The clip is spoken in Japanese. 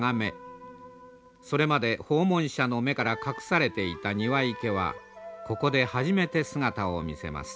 それまで訪問者の目から隠されていた庭池はここで初めて姿を見せます。